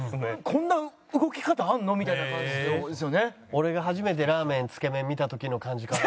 俺が初めて「ラーメンつけ麺」見た時の感じかな？